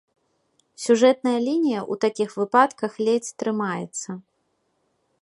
Сюжэтная лінія ў такіх выпадках ледзь трымаецца.